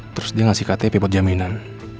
terus dia ngasih ktp buat jaminan